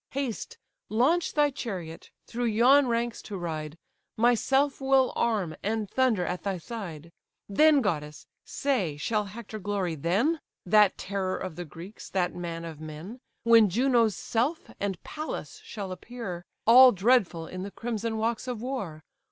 Haste, launch thy chariot, through yon ranks to ride; Myself will arm, and thunder at thy side. Then, goddess! say, shall Hector glory then? (That terror of the Greeks, that man of men) When Juno's self, and Pallas shall appear, All dreadful in the crimson walks of war!